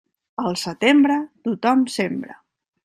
Al setembre, tothom sembra.